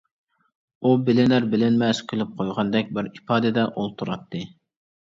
ئۇ بىلىنەر-بىلىنمەس كۈلۈپ قويغاندەك بىر ئىپادىدە ئولتۇراتتى.